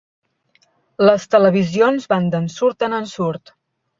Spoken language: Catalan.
Les televisions van d'ensurt en ensurt.